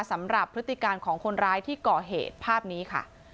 พฤติการของคนร้ายที่ก่อเหตุภาพนี้ค่ะ